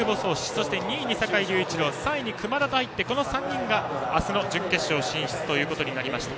そして、２位に坂井隆一郎３位に熊田が入って、この３人が明日の準決勝進出となりました。